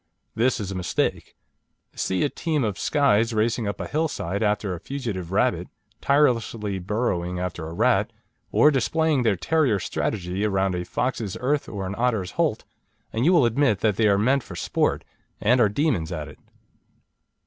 This is a mistake. See a team of Skyes racing up a hillside after a fugitive rabbit, tirelessly burrowing after a rat, or displaying their terrier strategy around a fox's earth or an otter's holt, and you will admit that they are meant for sport, and are demons at it.